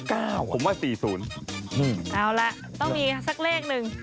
เอาล่ะต้องมีสักเลขหนึ่ง